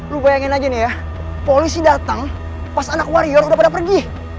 lu bayangin aja nih ya polisi datang pas anak warior udah pada pergi